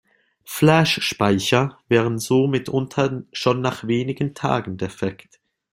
Flashspeicher wären so mitunter schon nach wenigen Tagen defekt.